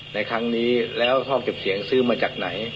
ในครั้งนี้แล้วห้องเก็บเสียงซื้อมาจากไหน